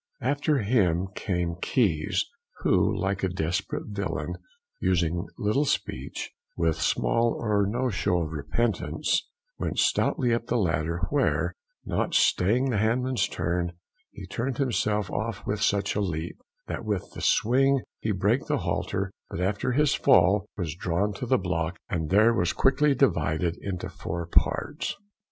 After him came Keyes, who like a desperate villain, using little speech, with small or no show of repentance, went stoutly up the ladder, where, not staying the hangman's turn, he turned himself off with such a leap, that with the swing he brake the halter, but, after his fall, was drawn to the block, and there was quickly divided into four parts.